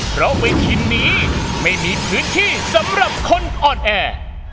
เพราะเวทีนี้ไม่มีพื้นที่สำหรับคนอ่อนแอ